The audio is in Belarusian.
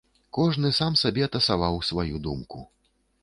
Кожны сам сабе тасаваў сваю думку.